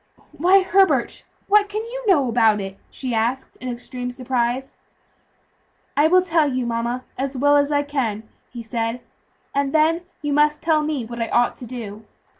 "Why, Herbert, what can you know about it?" she asked in extreme surprise. "I will tell you, mama, as well as I can," he said, "and then you must tell me what I ought to do.